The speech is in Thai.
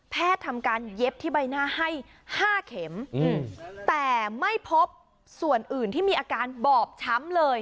ทำการเย็บที่ใบหน้าให้๕เข็มแต่ไม่พบส่วนอื่นที่มีอาการบอบช้ำเลย